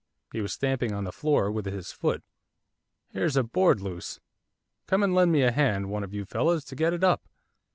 He was stamping on the floor with his foot. 'Here's a board loose. Come and lend me a hand, one of you fellows, to get it up.